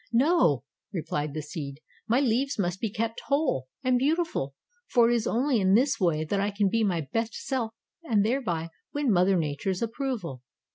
"No," replied the seed, "my leaves must be kept whole and beautiful, for it is only in this way that I can be my best self and thereby win Mother Nature's approval."